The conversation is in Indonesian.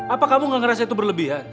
apa kamu gak ngerasa itu berlebihan